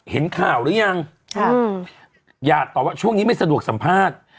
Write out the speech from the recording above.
เห็นข่าวหรือยังอย่าตอบว่าช่วงนี้ไม่สะดวกสัมภาษณ์